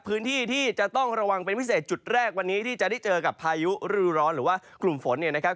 พื้นที่ที่จะต้องระวังเป็นพิเศษจุดแรกวันนี้ที่จะได้เจอกับพายุฤดูร้อนหรือว่ากลุ่มฝนเนี่ยนะครับ